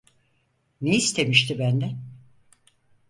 Ne istemişti benden?